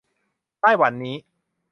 ไต้หวันนี้